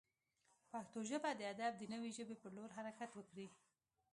پښتو ژبه د ادب د نوې ژبې پر لور حرکت وکړي.